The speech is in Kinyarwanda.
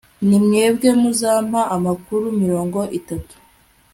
ni mwebwe muzampa amakanzu mirongo itatu